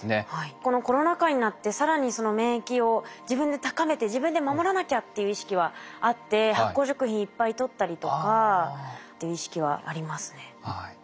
このコロナ禍になって更にその免疫を自分で高めて自分で守らなきゃっていう意識はあって発酵食品いっぱいとったりとかっていう意識はありますね。